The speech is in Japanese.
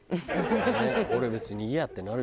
俺「別にいいや」ってなる。